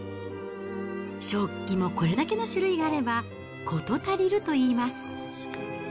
食器もこれだけの種類があれば事足りるといいます。